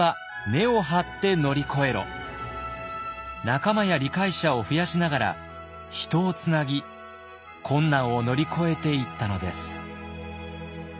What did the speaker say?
仲間や理解者を増やしながら人をつなぎ困難を乗り越えていったのです。